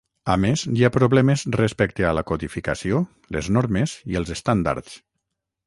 A més, hi ha problemes respecte a la codificació, les normes i els estàndards.